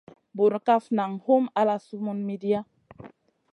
Burkaf nang hum ala sumun midia.